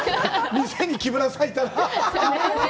店に木村さんがいたら。